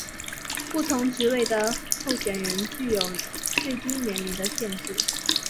不同的职位对候选人均有最低年龄的限制。